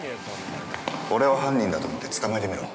俺を犯人だと思って、捕まえてみろ！